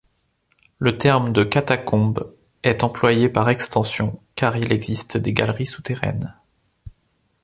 Le terme de catacombes est employé par extension, car il existe des galeries souterraines.